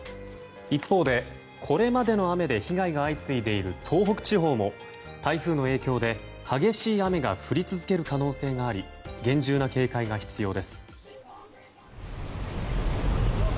一方で、これまでの雨で被害が相次いでいる東北地方も台風の影響で激しい雨が降り続ける可能性があり厳重な警戒が必要です。